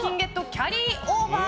キャリーオーバー。